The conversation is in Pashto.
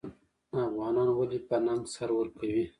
افغانان ولې په ننګ سر ورکوي؟